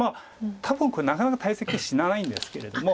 多分これなかなか大石死なないんですけれども。